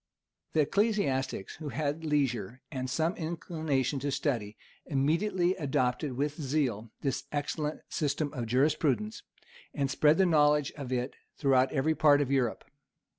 The ecclesiastics, who had leisure, and some inclination to study, immediately adopted with zeal this excellent system of jurisprudence, and spread the knowledge of it throughout every part of Europe.